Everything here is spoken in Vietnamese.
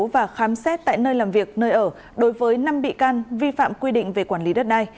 và khám xét tại nơi làm việc nơi ở đối với năm bị can vi phạm quy định về quản lý đất đai